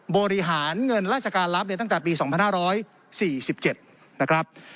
บริหารเงินราชการรับตั้งแต่ปี๒๕๔๗นะครับ